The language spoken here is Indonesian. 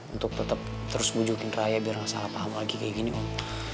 untuk tetep terus bujukin ray ya biar gak salah paham lagi kayak gini om